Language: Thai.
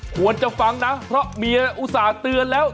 ควรจะฟังนะเพราะเมียอุตส่าห์เตือนแล้ว